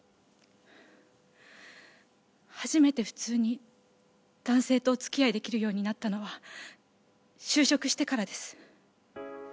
初めて普通に男性とお付き合い出来るようになったのは就職してからです。